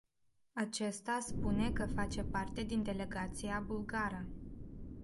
Acesta spune că face parte din delegația bulgară.